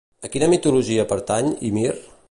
A quina mitologia pertany Ymir?